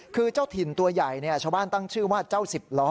คือเจ้าถิ่นตัวใหญ่ชาวบ้านตั้งชื่อว่าเจ้าสิบล้อ